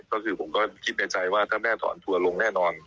ก็คือผมก็คิดในใจว่าถ้าแม่ถอนทัวร์ลงแน่นอน